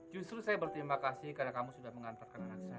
justru saya berterima kasih karena kamu sudah mengantarkan anak saya